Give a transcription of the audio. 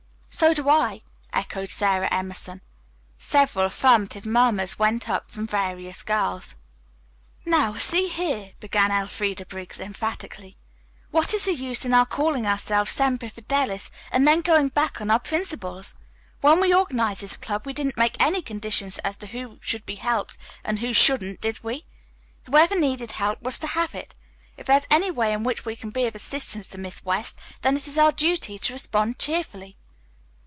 "So do I," echoed Sarah Emerson. Several affirmative murmurs went up from various girls. "Now, see here," began Elfreda Briggs emphatically. "What is the use in our calling ourselves Semper Fidelis and then going back on our principles? When we organized this club, we didn't make any conditions as to who should be helped and who shouldn't, did we? Whoever needed help was to have it. If there is anyway in which we can be of assistance to Miss West, then it is our duty to respond cheerfully."